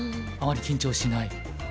あまり緊張しない？